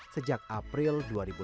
sejak april dua ribu lima belas